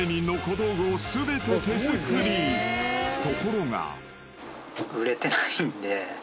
［ところが］